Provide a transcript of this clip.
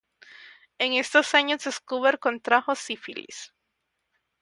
En estos años Schubert contrajo sífilis.